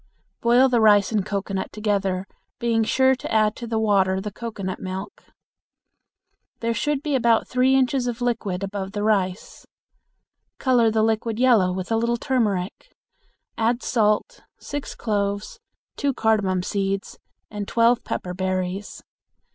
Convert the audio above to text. Boil the rice and cocoanut together, being sure to add to the water the cocoanut milk. There should be about three inches of liquid above the rice. Color the liquid yellow with a little turmeric; add salt, six cloves, two cardamon seeds, and twelve pepper berries.